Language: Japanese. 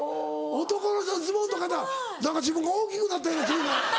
男の人のズボンとかやったら何か自分が大きくなったような気に。